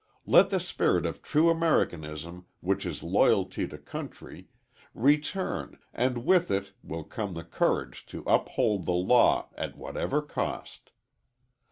Let the spirit of true Americanism, which is loyalty to country, return and with it will come the courage to uphold the law at whatever cost.